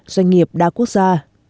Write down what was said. doanh nghiệp đa quốc gia